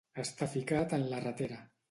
Estar ficat en la ratera.